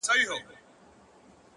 پرېميږده ، پرېميږده سزا ده د خداى،